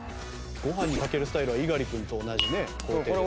ご飯にかけるスタイルは猪狩君と同じね行程ですね。